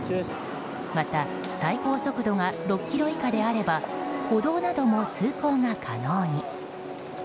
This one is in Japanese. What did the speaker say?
また、最高速度が６キロ以下であれば歩道なども通行が可能に。